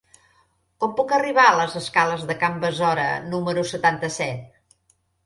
Com puc arribar a les escales de Can Besora número setanta-set?